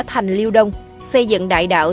thành liêu đông xây dựng đại đạo